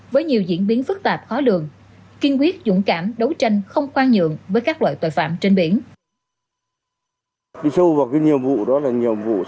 với nhiều diễn biến phức tạp khó lường kiên quyết dũng cảm đấu tranh không khoan nhượng với các loại tội phạm trên biển